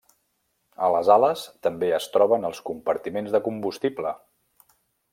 A les ales també es troben els compartiments de combustible.